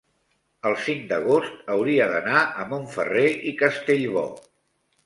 el cinc d'agost hauria d'anar a Montferrer i Castellbò.